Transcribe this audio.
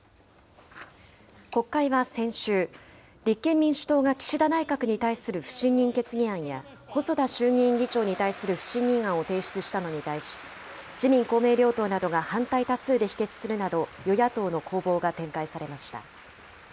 国会は先週、立憲民主党が岸田内閣に対する不信任決議案や、細田衆議院議長に対する不信任案を提出したのに対し、自民、公明両党などが反対多数で否決するなど、与野党の攻防が展開されました。